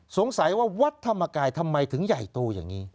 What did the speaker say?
สงสัยว่าวัดธรรมกายทำไมถึงใหญ่โตอย่างนี้